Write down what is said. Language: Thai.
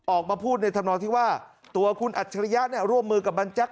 ออกมาพูดในธรรมดาวที่ว่าตัวคุณอัจฉริยะร่วมมือกับบางแจ๊ก